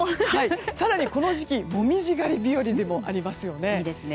更にこの時期、紅葉狩り日和でもありますよね。